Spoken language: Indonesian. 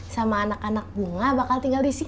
sama anak anak bunga bakal tinggal di sini